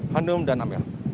hanum dan amel